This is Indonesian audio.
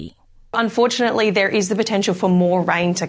terkadang ada potensi untuk lebih banyak hujan yang akan datang